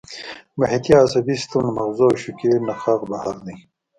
محیطي عصبي سیستم له مغزو او شوکي نخاع بهر دی